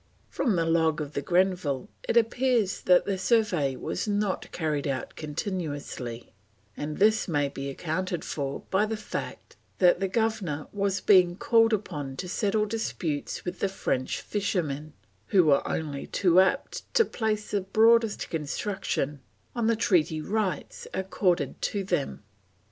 From the log of the Grenville it appears that the survey was not carried out continuously, and this may be accounted for by the fact that the Governor was being called upon to settle disputes with the French fishermen, who were only too apt to place the broadest construction on the treaty rights accorded to them.